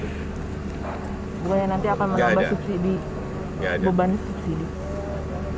pokoknya nanti akan menambah subsidi beban subsidi